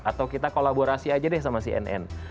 atau kita kolaborasi aja deh sama cnn